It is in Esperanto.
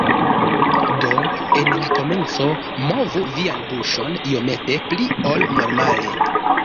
Do, en la komenco movu vian buŝon iomete pli ol normale.